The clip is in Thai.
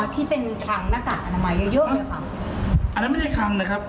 อ๋อที่เป็นคางหน้ากากอันนั้นมายังเยอะอันนั้นไม่ได้คางนะครับอ๋อ